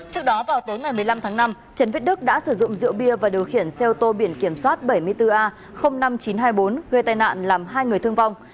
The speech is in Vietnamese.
trước đó vào tối ngày một mươi năm tháng năm trần viết đức đã sử dụng rượu bia và điều khiển xe ô tô biển kiểm soát bảy mươi bốn a năm nghìn chín trăm hai mươi bốn gây tai nạn làm hai người thương vong